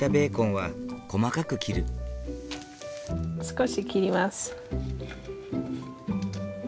少し切ります。